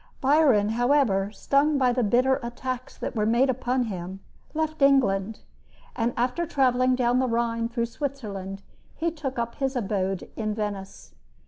Byron, however, stung by the bitter attacks that were made upon him, left England, and after traveling down the Rhine through Switzerland, he took up his abode in Venice.